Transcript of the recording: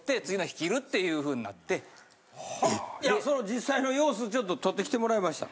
その実際の様子ちょっと撮ってきてもらいました。